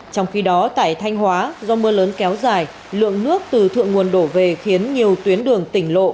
trong khi đó tại thanh hóa do mưa lớn kéo dài lượng nước từ thượng nguồn đổ về khiến nhiều tuyến đường tỉnh lộ